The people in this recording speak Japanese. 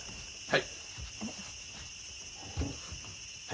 はい。